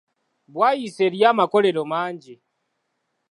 Bwayiise eriyo amakolero mangi.